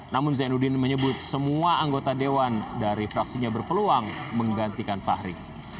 namun zainuddin menyebut semua anggota dewan dari fraksinya berpeluang menggantikan fahri